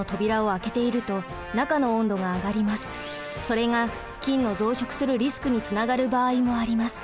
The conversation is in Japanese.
それが菌の増殖するリスクにつながる場合もあります。